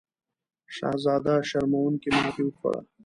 شهزاده شرموونکې ماته وخوړه.